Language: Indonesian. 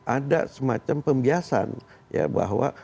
ada semacam pembiasan ya bahwa